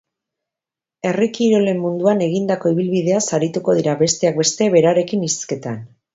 Herri kirolen munduan egindako ibilbideaz arituko dira, besteak beste, berarekin hizketan.